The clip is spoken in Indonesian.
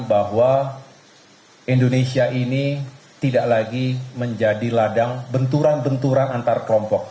bahwa indonesia ini tidak lagi menjadi ladang benturan benturan antar kelompok